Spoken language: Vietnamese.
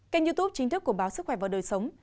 kênh youtube chính thức của báo sức khỏe